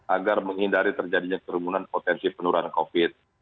agar menghindari terjadinya kerumunan potensi penyebaran covid sembilan belas